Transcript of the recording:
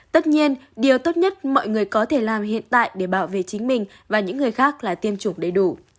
tất nhiên điều tốt nhất mọi người có thể làm hiện tại để bảo vệ chính mình và những người khác là tiêm chủng đầy đủ